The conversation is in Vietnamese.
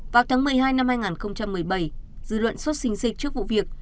vào tháng một mươi hai năm hai nghìn một mươi bảy dư luận sốt sinh dịch trước vụ việc